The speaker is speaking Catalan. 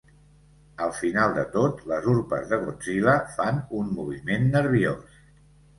Al final de tot, les urpes de Godzilla fan un moviment nerviós.